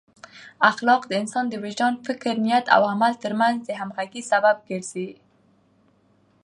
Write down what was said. اخلاق د انسان د وجدان، فکر، نیت او عمل ترمنځ د همغږۍ سبب ګرځي.